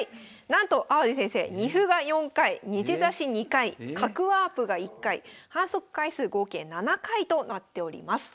なんと淡路先生二歩が４回二手指し２回角ワープが１回反則回数合計７回となっております。